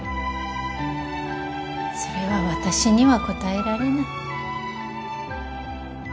それは私には答えられない。